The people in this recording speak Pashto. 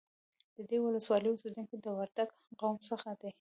د دې ولسوالۍ اوسیدونکي د وردگ قوم څخه دي